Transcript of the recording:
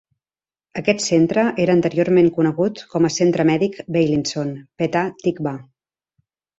Aquest centre era anteriorment conegut com a Centre Mèdic Beilinson, Petah Tikva.